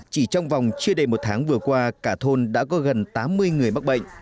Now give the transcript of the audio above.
chỉ trong vòng chưa đầy một tháng vừa qua cả thôn đã có gần tám mươi người mắc bệnh